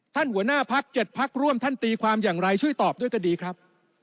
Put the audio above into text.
หัวหน้าพัก๗พักร่วมท่านตีความอย่างไรช่วยตอบด้วยก็ดีครับ